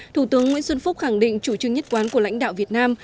thủ tướng nguyễn xuân phúc khẳng định chủ trương nhất quán của lãnh đạo việt nam